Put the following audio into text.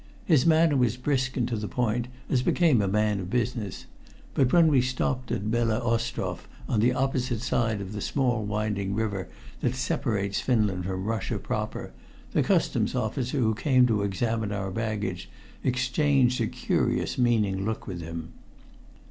His manner was brisk and to the point, as became a man of business, but when we stopped at Bele Ostrof, on the opposite side of the small winding river that separates Finland from Russia proper, the Customs officer who came to examine our baggage exchanged a curious meaning look with him.